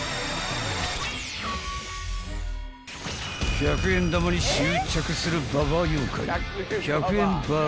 ［１００円玉に執着するババア妖怪］